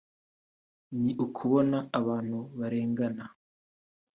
ni ukubona abantu barengana